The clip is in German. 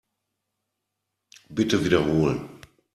Bitte wiederholen.